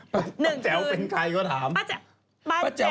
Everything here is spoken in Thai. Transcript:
ป้าแจ๋วเป็นใครก็ถามป้าแจ๋วป้าแจ๋ว